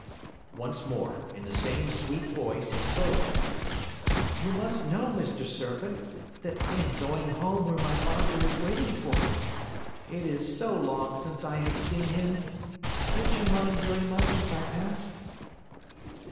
Once more, in the same sweet voice, he spoke: "You must know, Mr. Serpent, that I am going home where my father is waiting for me. It is so long since I have seen him! Would you mind very much if I passed?"